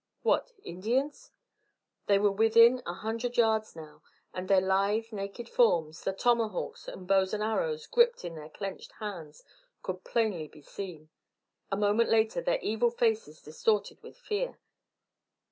... What? Indians? They were within a hundred yards now, and their lithe naked forms, the tomahawks and bows and arrows gripped in their clenched hands, could plainly be seen; a moment later, their evil faces, distorted with fear.